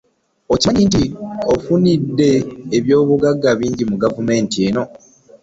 Okimanyi nti ofunidde eby'obuggaga bingi mu gavumenti eno.